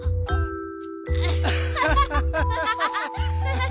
アハハハハ！